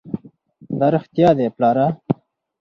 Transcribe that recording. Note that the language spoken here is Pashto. دا رښتيا دي پلاره!